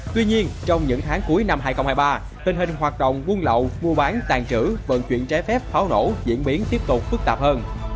tuy nhiên trong những tháng cuối năm hai nghìn hai mươi ba tình hình hoạt động buôn lậu mua bán tàn trữ vận chuyển trái phép pháo nổ diễn biến tiếp tục phức tạp hơn